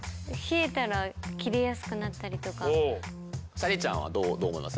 咲莉ちゃんはどう思います？